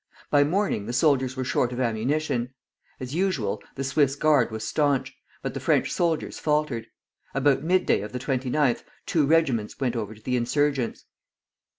By morning the soldiers were short of ammunition. As usual, the Swiss Guard was stanch, but the French soldiers faltered. About midday of the 29th two regiments went over to the insurgents.